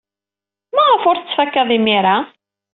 Maɣef ur t-tettfakad imir-a?